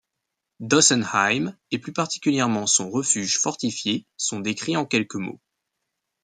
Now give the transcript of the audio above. Dossenheim et plus particulièrement son refuge fortifié sont décrits en quelques mots.